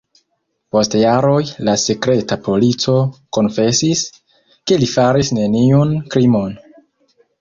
Post jaroj la sekreta polico konfesis, ke li faris neniun krimon.